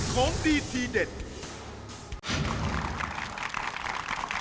ของดีทีเด็ด